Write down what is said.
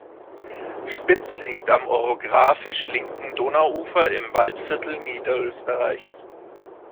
Spitz liegt am orographisch linken Donauufer im Waldviertel Niederösterreichs.